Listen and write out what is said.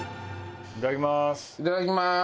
いただきます。